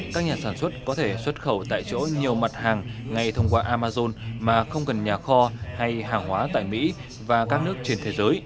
các nhà sản xuất có thể xuất khẩu tại chỗ nhiều mặt hàng ngay thông qua amazon mà không cần nhà kho hay hàng hóa tại mỹ và các nước trên thế giới